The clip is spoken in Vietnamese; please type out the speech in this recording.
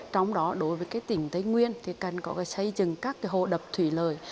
trong đó đối với tỉnh tây nguyên thì cần có xây dựng các hồ đập thủy lợi